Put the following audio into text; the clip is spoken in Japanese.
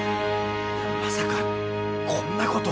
いやまさかこんなこと。